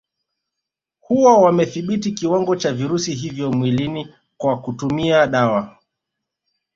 Huwa wamedhibiti kiwango cha virusi hivyo mwilini kwa kutumia dawa